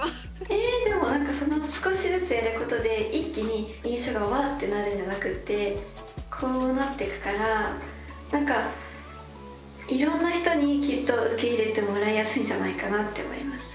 えでも少しずつやることで一気に印象がわってなるんじゃなくってこうなっていくからなんかいろんな人にきっと受け入れてもらいやすいんじゃないかなって思います。